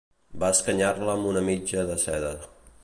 Va escanyar-la amb una mitja de seda.